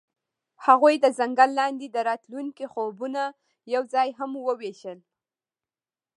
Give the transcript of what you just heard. هغوی د ځنګل لاندې د راتلونکي خوبونه یوځای هم وویشل.